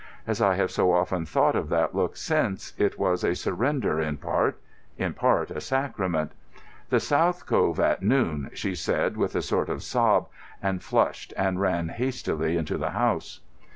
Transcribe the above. As I have so often thought of that look since, it was a surrender in part, in part a sacrament. "The South Cove at noon," she said, with a sort of sob, and flushed and ran hastily into the house.